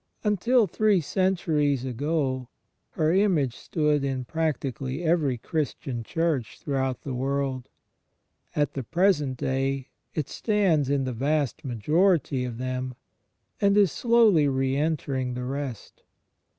Until three centiuies ago her image stood in practically every Christian church throughout the world; at the present day it stands in the vast majority of them, and is slowly re entering the rest.